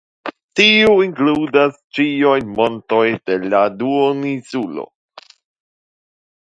Tiu inkludas ĉiujn montojn de la duoninsulo.